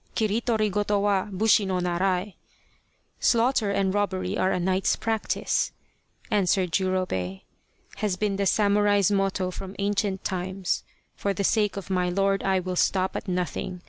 " Kiritori goto wa bushi no narai " [Slaughter and robbery are a knight's practice], answered Jurobei, " has been the samurai's motto from ancient times. For the sake of my lord I will stop at nothing.